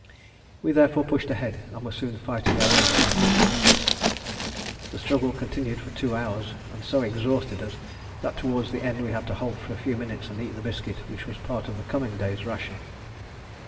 We therefore pushed ahead, and were soon fighting our way through thick reeds. The struggle continued for two hours, and so exhausted us that towards the end we had to halt for a few minutes and eat the biscuit which was part of the coming day's ration.